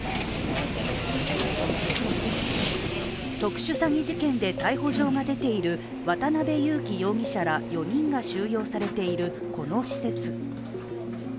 特殊詐欺事件で逮捕状が出ている渡辺優樹容疑者ら４人が収容されているこの施設。